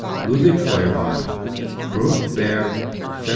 LUDWIG FEUEEBACH. Bruckberg, Feb.